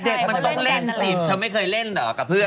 เด็กมันต้องเล่นสิเธอไม่เคยเล่นเหรอกับเพื่อน